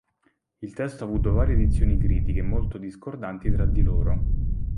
Il testo ha avuto varie edizioni critiche, molto discordanti tra di loro.